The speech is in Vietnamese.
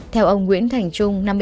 theo ông nguyễn thành trung